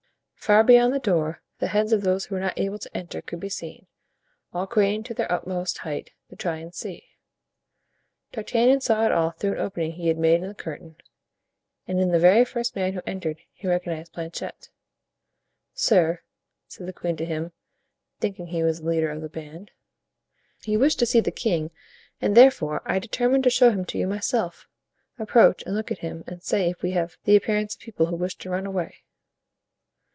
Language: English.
Far beyond the door the heads of those who were not able to enter could be seen, all craning to their utmost height to try and see. D'Artagnan saw it all through an opening he had made in the curtain, and in the very first man who entered he recognized Planchet. "Sir," said the queen to him, thinking he was the leader of the band, "you wished to see the king and therefore I determined to show him to you myself. Approach and look at him and say if we have the appearance of people who wish to run away."